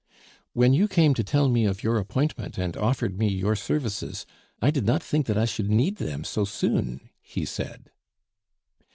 "When you came to tell me of your appointment and offered me your services, I did not think that I should need them so soon," he said.